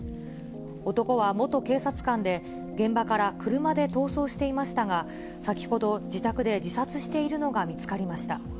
男は元警察官で、現場から車で逃走していましたが、先ほど、自宅で自殺しているのが見つかりました。